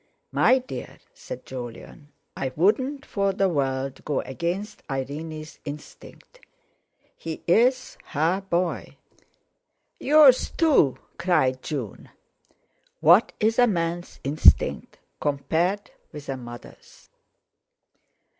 "My dear," said Jolyon, "I wouldn't for the world go against Irene's instinct. He's her boy." "Yours too," cried June. "What is a man's instinct compared with a mother's?"